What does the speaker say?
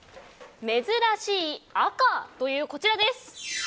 珍しい赤という、こちら。